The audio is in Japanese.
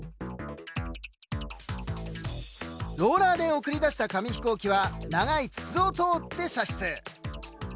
ローラーで送り出した紙飛行機は長い筒を通って射出。